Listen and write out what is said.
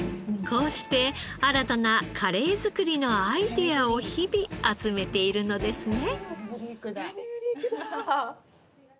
こうして新たなカレー作りのアイデアを日々集めているのですね。